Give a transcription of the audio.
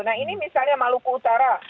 nah ini misalnya maluku utara